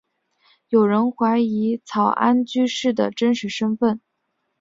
有人怀疑草庵居士的真实身份。